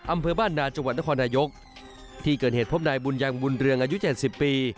อำเภอบ้านนาจังหวัดนครนายกที่เกิดเหตุพบนายบุญยังบุญเรืองอายุเจ็ดสิบปี